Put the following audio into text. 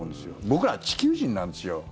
僕ら、地球人なんですよ。